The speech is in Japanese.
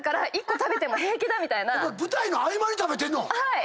はい。